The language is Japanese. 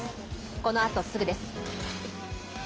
このあとすぐです。